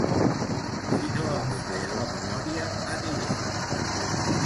Si no em falla la memòria, aniré.